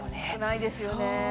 少ないですよね